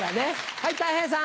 はいたい平さん。